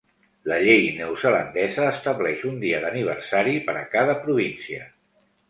La llei neozelandesa estableix un dia d'aniversari per a cada província.